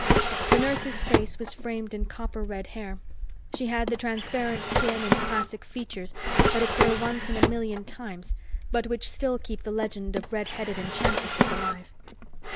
The nurse's face was framed in copper red hair. She had the transparent skin and classic features that occur once in a million times but which still keep the legend of redheaded enchantresses alive.